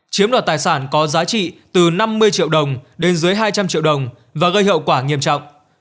chiếm đoạt tài sản có giá trị từ năm mươi triệu đồng đến dưới hai trăm linh triệu đồng và gây hậu quả nghiêm trọng